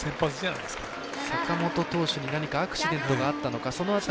坂本投手に何かアクシデントがあったのか。